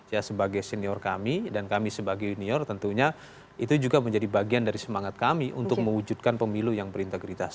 ya sebagai senior kami dan kami sebagai junior tentunya itu juga menjadi bagian dari semangat kami untuk mewujudkan pemilu yang berintegritas